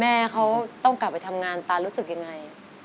แม่เขาต้องกลับไปทำงานตารู้สึกยังไง